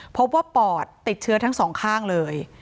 เพราะว่าปอดติดเชื้อทั้ง๒ข้างเลย